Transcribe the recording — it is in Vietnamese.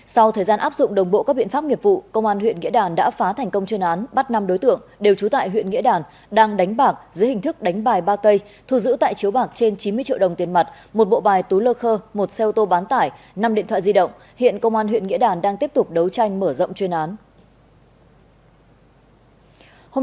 sau thời gian áp dụng đồng bộ các biện pháp nghiệp vụ công an huyện nghĩa đàn đã phá thành công chuyên án bắt năm đối tượng đều trú tại huyện nghĩa đàn đang đánh bạc dưới hình thức đánh bài ba cây thu giữ tại chiếu bạc trên chín mươi triệu đồng tiền mặt một bộ bài túi lơ khơ một xe ô tô bán tải năm điện thoại di động hiện công an huyện nghĩa đàn đang tiếp tục đấu tranh mở rộng chuyên án